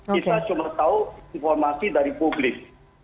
kita cuma tahu informasi dari publik